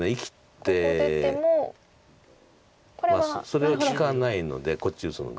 それは利かないのでこっち打つので。